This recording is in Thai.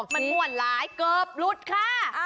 มันม่วนหลายเกือบหลุดค่ะ